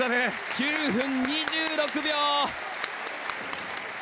９分２６秒。